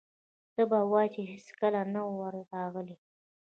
ته به وایې چې هېڅکله نه و راغلي.